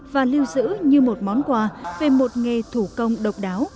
và lưu giữ như một món quà về một nghề thủ công độc đáo